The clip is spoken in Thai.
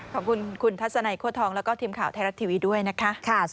ขอบคุณคุณทัศนัยโค้ทองแล้วก็ทีมข่าวไทยรัฐทีวีด้วยนะคะ